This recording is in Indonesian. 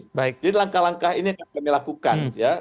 jadi langkah langkah ini akan kami lakukan ya